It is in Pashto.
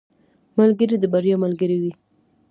ملګری د بریا ملګری وي.